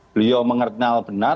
beliau mengerti benar